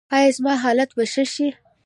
ایا زما حالت به ښه شي؟